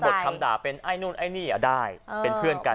จะสะบดคำด่าเป็นไอ้นู้นไอ้นี่อ่ะได้เป็นเพื่อนกัน